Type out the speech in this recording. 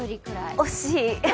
惜しい！